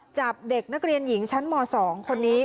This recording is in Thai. จับเด็กนักเรียนหญิงชั้นม๒คนนี้